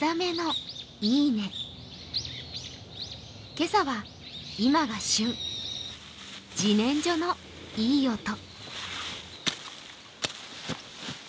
今朝は今が旬じねんじょのいい音。